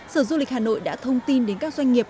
sở du lịch hà nội đã thông tin đến các doanh nghiệp